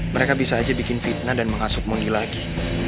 mereka bisa aja bikin fitnah dan mengasup mondi lagi